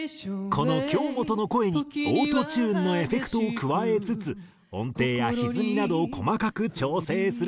この京本の声にオートチューンのエフェクトを加えつつ音程や歪みなどを細かく調整すると。